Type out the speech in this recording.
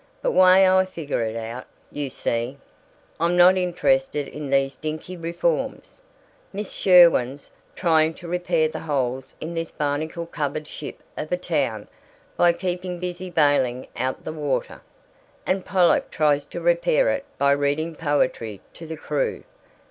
But way I figure it out You see, I'm not interested in these dinky reforms. Miss Sherwin's trying to repair the holes in this barnacle covered ship of a town by keeping busy bailing out the water. And Pollock tries to repair it by reading poetry to the crew!